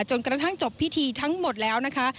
จนกระทั่งจบพิธีทั้งหมดแล้วนะคะ